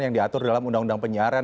yang diatur dalam undang undang penyiaran